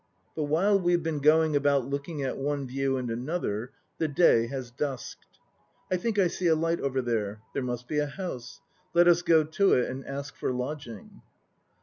But while we have been going about looking at one view and another, the day has dusked. I think I see a light over there. There must be a house. Let us go to it and ask for lodging.